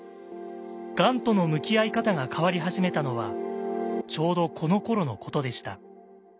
がんとの向き合い方が変わり始めたのはちょうどこのころのことでした。